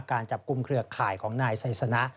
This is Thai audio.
การจับกลุ่มเครือข่ายของนายไซสนะ